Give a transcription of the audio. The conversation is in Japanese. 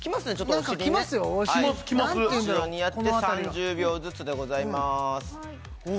お尻に後ろにやって３０秒ずつでございます